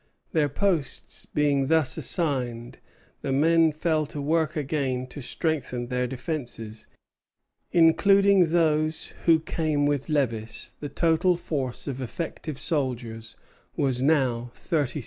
Their posts being thus assigned, the men fell to work again to strengthen their defences. Including those who came with Lévis, the total force of effective soldiers was now thirty six hundred.